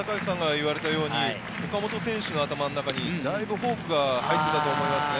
岡本選手の頭の中にだいぶフォークが入っていたと思いますね。